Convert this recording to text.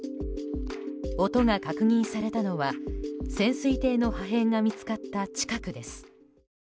音が確認されたのは潜水艇の破片が見つかった近くです。